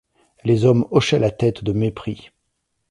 Les hommes hochaient la tête de mépris.